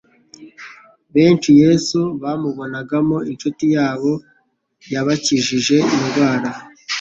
Benshi Yesu bamubonagamo inshuti yabo yabakijije indwara